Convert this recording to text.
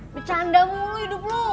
bercanda mulu hidup lo